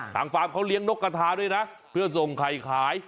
ฟาร์มเขาเลี้ยงนกกระทาด้วยนะเพื่อส่งไข่ขาย